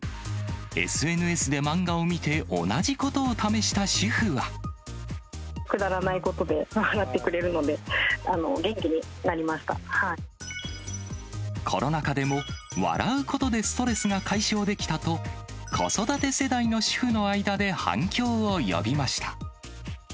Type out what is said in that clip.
ＳＮＳで漫画を見て、くだらないことで笑ってくれコロナ禍でも、笑うことでストレスが解消できたと、子育て世代の主婦の間で反響を呼びました。